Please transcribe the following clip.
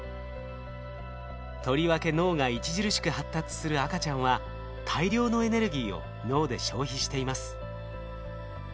とりわけ脳が著しく発達する赤ちゃんは大量のエネルギーを脳で消費しています。